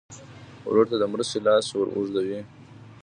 ورور ته د مرستې لاس ور اوږدوې.